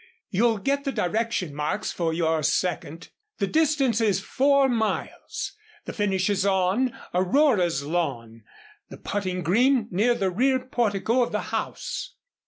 You'll get the direction marks for your second. The distance is four miles. The finish is on Aurora's lawn the putting green near the rear portico of the house.